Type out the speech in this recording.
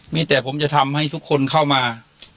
มีแต่ผมจะทำให้ทุกคนเข้ามา